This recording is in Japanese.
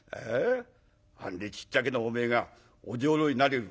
何でちっちゃけなおめえがお女郎になれる？」。